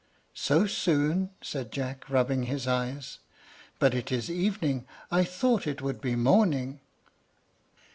"So soon!" said Jack, rubbing his eyes. "But it is evening; I thought it would be morning."